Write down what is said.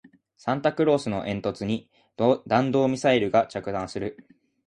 サンタクロースの煙突に弾道ミサイルが着弾する